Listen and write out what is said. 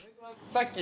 さっき。